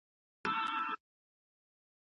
په موزیلا کې کار کول ډېر اسانه دي.